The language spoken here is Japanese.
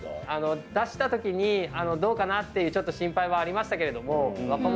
出したときにどうかな？っていうちょっと心配はありましたけれども。